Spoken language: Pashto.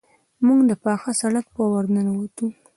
موږ د پاخه سړک په ورننوتو.